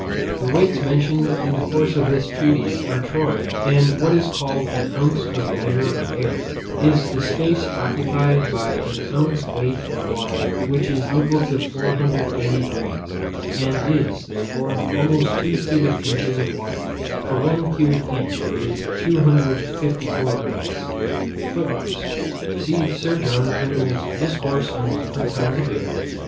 The weights mentioned in the course of this treatise are Troy, and what is called an ounce measure of air, is the space occupied by an ounce weight of water, which is equal to 480 grains, and is, therefore, almost two cubic inches of water; for one cubic inch weighs 254 grains. FOOTNOTES: See Sir John Pringle's Discourse on the different kinds of air, p.